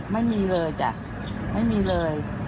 ไม่มีเลยจ้ะไม่มีเลย